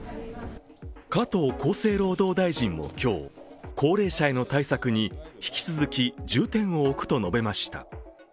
加藤厚生労働大臣も今日高齢者への対策に引き続き、重点を置くと述べました